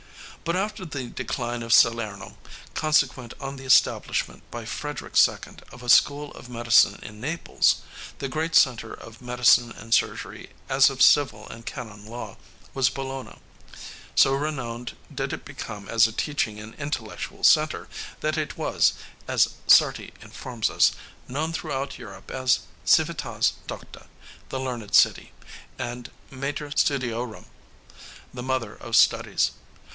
But after the decline of Salerno, consequent on the establishment by Frederick II of a school of medicine in Naples, the great center of medicine and surgery, as of civil and canon law, was Bologna. So renowned did it become as a teaching and intellectual center that it was, as Sarti informs us, known throughout Europe as Civitas Docta the learned city and Mater Studiorum the mother of studies.